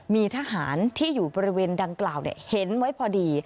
มีทหารที่อยู่บริเวณดังกล่าวเห็นไว้พอดี